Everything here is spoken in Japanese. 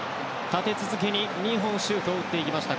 立て続けに２本シュートを打ちました。